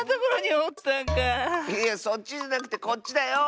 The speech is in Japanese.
そっちじゃなくてこっちだよ！